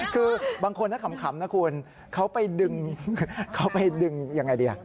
คือบางคนถ้าขำนะคุณเขาไปดึงยังไงดีอ่ะ